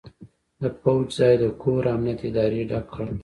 د پوځ ځای د کور امنیت ادارې ډک کړ.